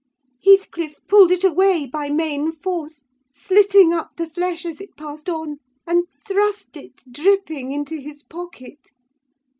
Heathcliff pulled it away by main force, slitting up the flesh as it passed on, and thrust it dripping into his pocket.